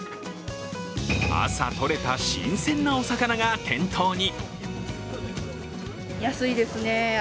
朝とれた新鮮なお魚が店頭に。